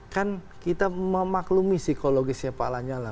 kan kita memaklumi psikologisnya pak lanyala